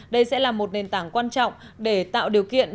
đây sẽ là một nền tảng quan trọng để tạo điều kiện